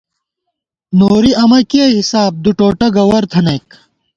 نوری امہ کِیَہ حِساب ، دُوٹوٹہ گوَر تھنَئیک